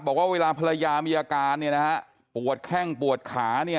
บอกว่าเวลาภรรยามีอาการปวดแข้งปวดขาเนี่ย